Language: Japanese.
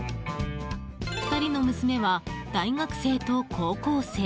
２人の娘は大学生と高校生。